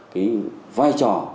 cái vai trò